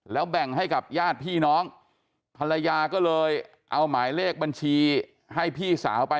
แล้วแบ่งให้กับญาติพี่น้องภรรยาก็เลยเอาหมายเลขบัญชีให้พี่สาวไป